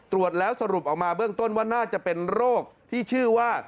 ตรวจแล้วสรุปออกมาเบื้องต้นว่าน่าจะเป็นโรคที่ชื่อว่า